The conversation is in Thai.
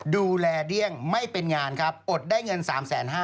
ดูแลเดี้ยงไม่เป็นงานครับอดได้เงิน๓๕๐๐